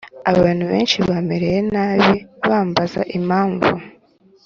Abantu benshi bamereye nabi bambaza impamvu